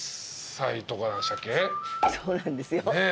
そうなんですよ。